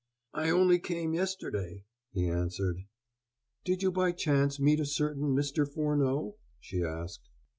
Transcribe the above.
"I only came yesterday," he answered. "Did you by chance meet here a certain Mr. Furneaux?" she asked.